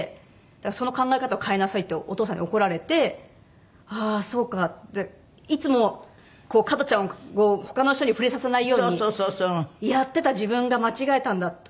「その考え方を変えなさい」ってお父さんに怒られて「ああそうか」って。いつもこう加トちゃんを他の人に触れさせないようにやってた自分が間違えたんだって